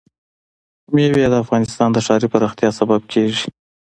مېوې د افغانستان د ښاري پراختیا سبب کېږي.